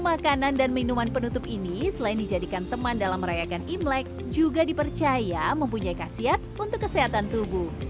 makanan dan minuman penutup ini selain dijadikan teman dalam merayakan imlek juga dipercaya mempunyai khasiat untuk kesehatan tubuh